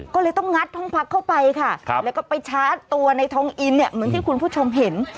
ก็เลยต้องงัดห้องพักเข้าไปค่ะแล้วก็ไปชาร์จตัวในทองอินเนี่ยเหมือนที่คุณผู้ชมเห็น